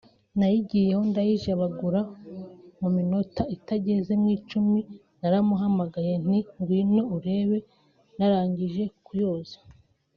nayigiyeho ndayijabagura mu minota itageze ku icumi naramuhamagaye nti ngwino urebe narangije kuyoza